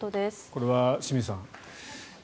これは清水さん。